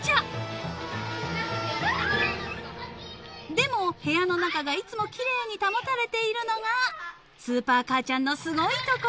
［でも部屋の中がいつも奇麗に保たれているのがＳＵＰＥＲかあちゃんのすごいところ］